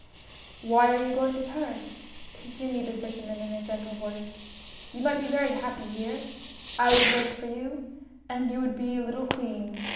" Why are you going to Paris ?" continued the flsh erman in a gentle voice ;" you might be very happy here. I would work for you, and you would be a little queen.